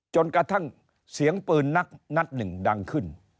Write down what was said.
จนกระทั่งเสียงปืนนัดหนึ่งดังขึ้น